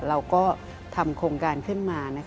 เราก็ทำโครงการขึ้นมา